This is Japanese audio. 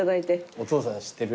お父さん知ってる？